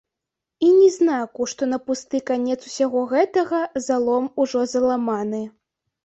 І ні знаку, што на пусты канец усяго гэтага залом ужо заламаны.